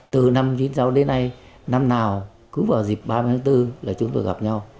từ năm chín mươi sáu đến nay năm nào cứ vào dịp ba mươi tháng bốn là chúng tôi gặp nhau